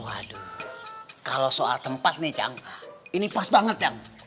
waduh kalau soal tempat nih cang ini pas banget kang